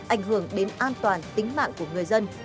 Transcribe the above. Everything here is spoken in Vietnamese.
ảnh hưởng đến an toàn tính mạng của người dân